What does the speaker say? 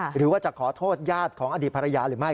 หรือว่าจะขอโทษญาติของอดีตภรรยาหรือไม่